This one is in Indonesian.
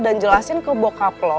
dan jelasin ke bokap lo